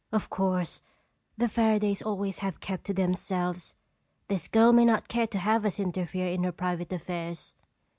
Of course, the Fairadays always have kept to themselves. This girl may not care to have us interfere in her private affairs."